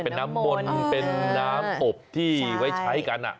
เป็นน้ำมนต์เป็นน้ำอบที่ไว้ใช้กัน